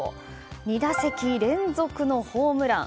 ２打席連続のホームラン。